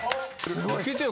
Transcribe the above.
いけたよ。